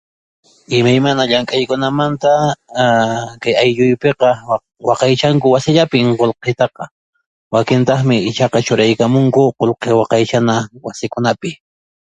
Imaymana llank'aykunamanta aaa kay ayllupiqa waqaychanku wasillapin qulqitaqa, wakintaqmi ichaqa churaykamunku qulqi waqaychana wasikunapi.